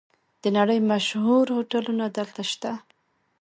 د نړۍ مشهور هوټلونه دلته شته.